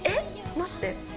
待って。